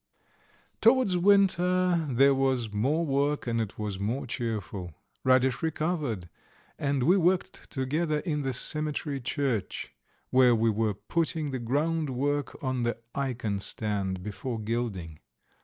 Towards winter there was more work and it was more cheerful. Radish recovered, and we worked together in the cemetery church, where we were putting the ground work on the ikon stand before gilding.